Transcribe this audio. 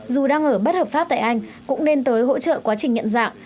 dù đang ở bất hợp pháp tại anh cũng nên tới hỗ trợ quá trình nhận dạng